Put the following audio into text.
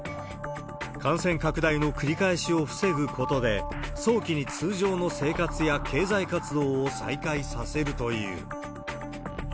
感染拡大の繰り返しを防ぐことで、早期に通常の生活や経済活動を再開させるという。